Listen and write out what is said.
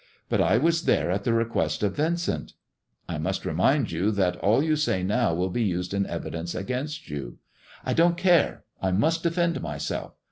But I was there at the request of Yincent." " I must remind you that all you say now will be used in evidence against you." " I don't care ! I must defend myself.